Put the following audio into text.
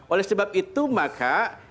oleh sebab itu maka